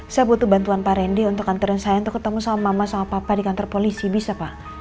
saya butuh bantuan pak randy untuk kantor saya untuk ketemu sama mama sama papa di kantor polisi bisa pak